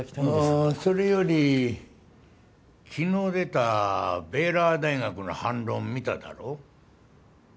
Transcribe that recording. あぁそれより昨日出たベイラー大学の反論見ただろう？